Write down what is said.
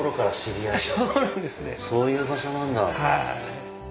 そういう場所なんだ。